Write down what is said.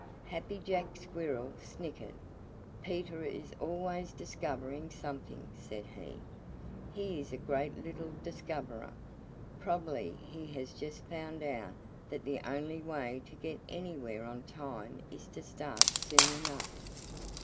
Happy Jack Squirrel snickered. "Peter is always discovering something," said he. "He is a great little discoverer. Probably he has just found out that the only way to get anywhere on time is to start soon enough."